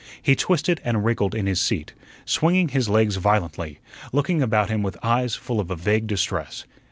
He twisted and wriggled in his seat, swinging his legs violently, looking about him with eyes full of a vague distress.